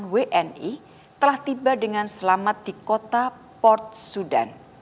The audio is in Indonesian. lima ratus tiga puluh delapan wni telah tiba dengan selamat di kota port sudan